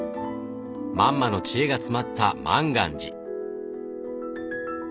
マンマの知恵が詰まった万願寺。